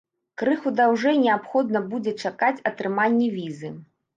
Крыху даўжэй неабходна будзе чакаць атрымання візы.